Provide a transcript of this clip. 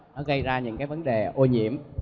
nó gây ra những vấn đề ô nhiễm